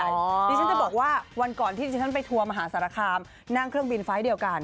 ดิฉันจะบอกว่าวันก่อนที่ดิฉันไปทัวร์มหาสารคามนั่งเครื่องบินไฟล์เดียวกัน